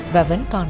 và vẫn còn